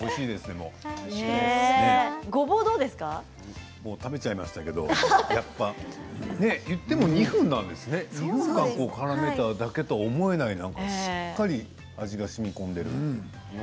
もう食べちゃいましたけど言っても２分なんですよね２分間からめただけと思えないしっかりと味がしみこんでいる。